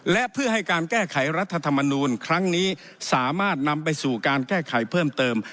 และเพื่อให้การแก้ไขรัฐธรรมนูลครั้งนี้สามารถนำไปสู่การแก้ไขเพิ่มเติม